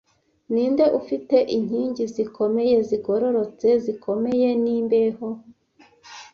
Ninde ufite inkingi zikomeye, zigororotse, zikomeye n'imbeho